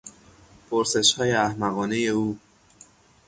پرسشهای احمقانهی او